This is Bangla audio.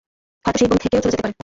হয়ত সেই বন থেকে চলেও যেতে পারে।